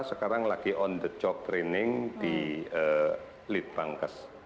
sekarang lagi on the job training di lead bankes